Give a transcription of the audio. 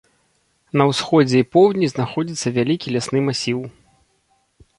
На ўсходзе і поўдні знаходзіцца вялікі лясны масіў.